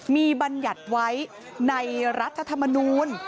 มีบรรยัติไว้ในรัฐธรรมนุน